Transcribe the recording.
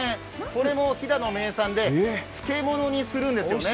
これも飛騨の名産で漬物にするんですよね。